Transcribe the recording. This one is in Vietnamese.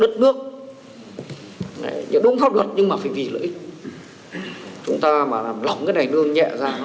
trực thuộc bộ công an